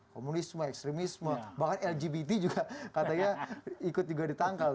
komunisme ekstremisme bahkan lgbt juga katanya ikut juga ditangkal